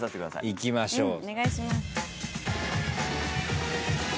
いきましょう。